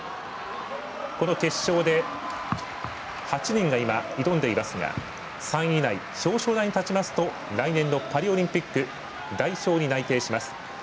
この決勝で８人が今、挑んでいますが３位以内表彰台に立ちますと来年のパリオリンピック代表になります。